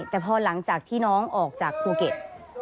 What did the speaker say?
แต่พอหลังจากที่น้องออกจากภูเก็ต